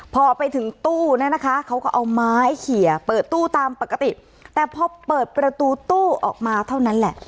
พอไปถึงตู้เนี่ยนะคะเขาก็เอาไม้เขียเปิดตู้ตามปกติแต่พอเปิดประตูตู้ออกมาเท่านั้นแหละ